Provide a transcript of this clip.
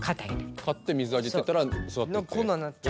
買って水あげてたらそだってって？